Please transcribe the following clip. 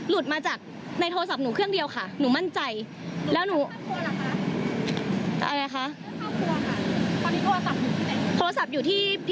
มาจากในโทรศัพท์หนูเครื่องเดียวค่ะหนูมั่นใจแล้วหนู